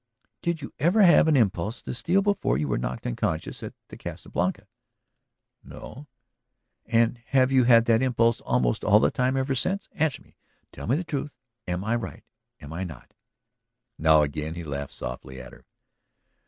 "Did you ever have an impulse to steal before you were knocked unconscious at the Casa Blanca?" "No." "And you have had that impulse almost all the time ever since? Answer me, tell me the truth! I am right, am I not?" Now again he laughed softly at her.